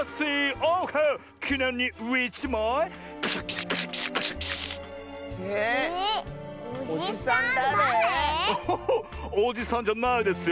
おじさんじゃないですよ。